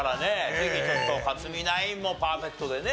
ぜひちょっと克実ナインもパーフェクトでね。